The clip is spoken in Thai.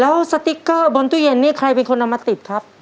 แล้วสติ๊กเกอร์บนตู้เย็นนี่ใครเป็นคนเอามาติดครับ